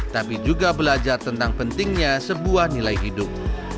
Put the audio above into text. tapi juga belajar tentang pentingnya sebuah nilai hidup